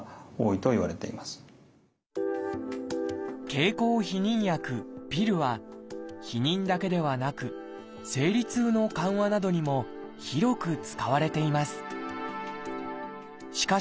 経口避妊薬は避妊だけではなく生理痛の緩和などにも広く使われています。